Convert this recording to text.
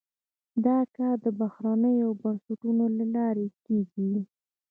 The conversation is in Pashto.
دا کار د بهیرونو او بنسټونو له لارې کیږي.